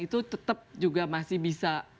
itu tetap juga masih bisa